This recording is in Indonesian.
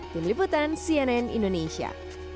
tim liputan cnn indonesia